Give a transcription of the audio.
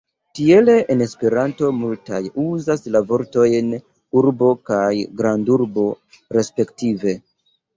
Tiele en Esperanto multaj uzas la vortojn "urbo" kaj grandurbo respektive.